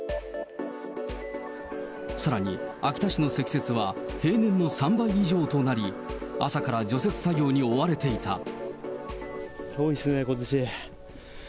さらに、秋田市の積雪は平年の３倍以上となり、朝から除雪作業に追われていた。